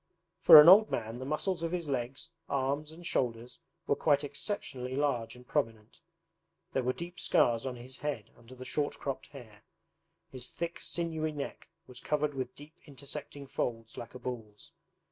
For an old man, the muscles of his legs, arms, and shoulders were quite exceptionally large and prominent. There were deep scars on his head under the short cropped hair. His thick sinewy neck was covered with deep intersecting folds like a bull's.